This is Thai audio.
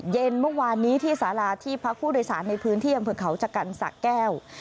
เย็นเมื่อวานนี้ที่สาราที่พักผู้โดยสารในพื้นที่อำเภอเขาชะกันสะแก้ว